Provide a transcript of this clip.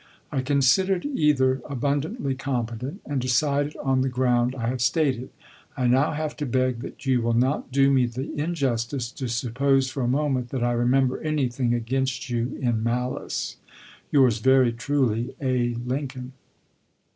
I considered either abundantly competent, Ms. Also and decided on the ground I have stated. I now have to rmtecun ^eg that you will not do me the injustice to suppose for Hoiiister, a moment that I remember anything against you in coifax." malice. v , Yours very truly, A. Lincoln.